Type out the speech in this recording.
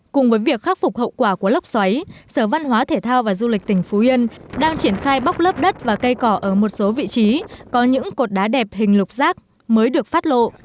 cùng với việc khắc phục hậu quả của lốc xoáy sở văn hóa thể thao và du lịch tỉnh phú yên đang triển khai bóc lớp đất và cây cỏ ở một số vị trí có những cột đá đẹp hình lục rác mới được phát lộ